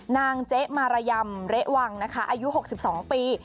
นางเจ๊มาระยำเละวังนะคะอายุ๖๒ปี